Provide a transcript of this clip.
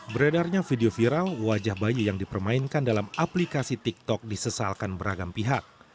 beredarnya video viral wajah bayi yang dipermainkan dalam aplikasi tiktok disesalkan beragam pihak